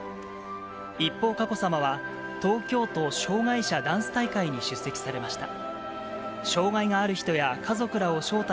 一方、佳子さまは、東京都障害者ダンス大会に出席されました。